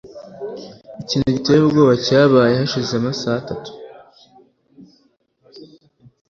Ikintu giteye ubwoba cyabaye hashize amasaha atatu.